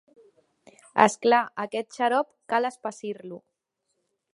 És clar, aquest xarop: cal espessir-lo.